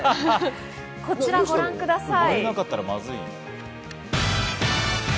こちらをご覧ください。